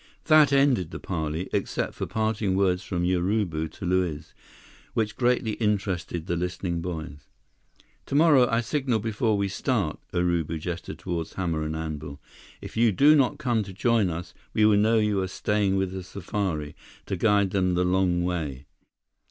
That ended the parley, except for parting words from Urubu to Luiz, which greatly interested the listening boys. "Tomorrow, I signal before we start." Urubu gestured toward the hammer and anvil. "If you do not come to join us, we will know you are staying with the safari—to guide them the long way."